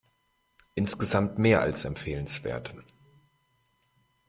Insgesamt mehr als empfehlenswert.